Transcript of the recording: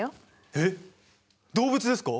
えっ動物ですか？